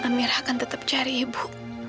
amirah akan tetap cari ibu